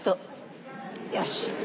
よし。